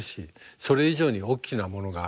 それ以上に大きなものがある。